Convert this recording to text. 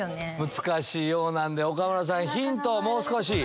難しいようなんで岡村さんヒントをもう少し。